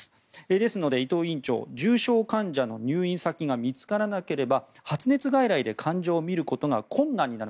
ですので伊藤院長重症患者の入院先が見つからなければ発熱外来で患者を診ることが困難になる